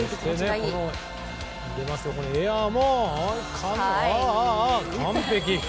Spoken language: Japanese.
エアも完璧。